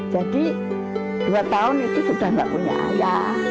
jadi dua tahun itu sudah nggak punya ayah